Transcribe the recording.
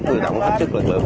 huy động hết sức lực lượng